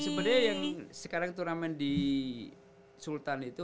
sebenarnya yang sekarang itu namanya di sultan itu ya